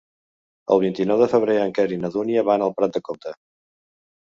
El vint-i-nou de febrer en Quer i na Dúnia van a Prat de Comte.